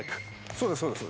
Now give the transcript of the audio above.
そうです